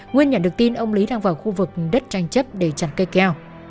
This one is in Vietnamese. nguyên nhận được tin ông lý đang vào khu vực đất tranh chấp để chặt cây keo